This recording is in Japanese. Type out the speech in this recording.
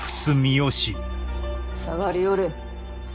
下がりおれ。